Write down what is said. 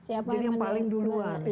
jadi yang paling duluan